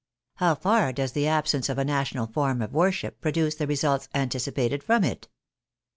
" How far does the absence of a national form of worship pro duce the results anticipated from it